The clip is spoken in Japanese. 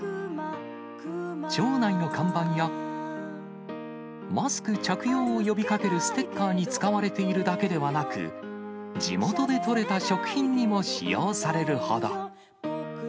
町内の看板や、マスク着用を呼びかけるステッカーに使われているだけでなく、地元で取れた食品にも使用されるほど。